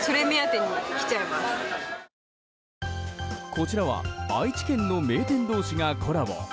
こちらは愛知県の名店同士がコラボ。